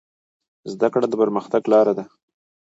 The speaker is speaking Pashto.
زده کړه د پرمختګ لاره ده.